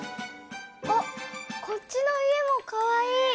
あっこっちの家もかわいい！